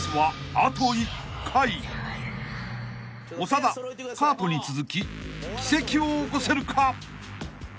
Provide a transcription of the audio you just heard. ［長田カートに続き奇跡を起こせるか？］